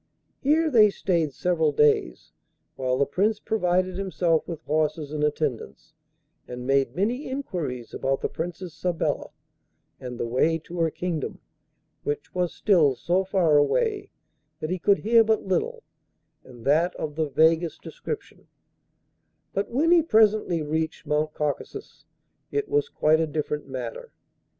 Here they stayed several days, while the Prince provided himself with horses and attendants, and made many enquiries about the Princess Sabella, and the way to her kingdom, which was still so far away that he could hear but little, and that of the vaguest description, but when he presently reached Mount Caucasus it was quite a different matter.